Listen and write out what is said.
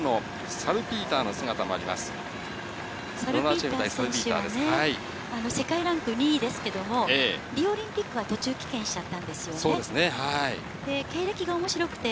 サルピーター選手は世界ランク２位ですけども、リオオリンピックは途中棄権しちゃったんですそうですね。